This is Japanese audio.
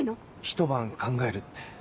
ひと晩考えるって。